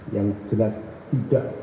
yang jelas tidak